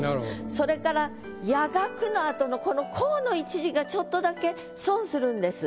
それから「夜学」の後のこの「校」の一字がちょっとだけ損するんです。